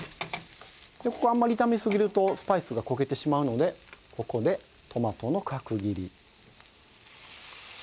ここはあんまり炒めすぎるとスパイスが焦げてしまうのでここでトマトの角切り。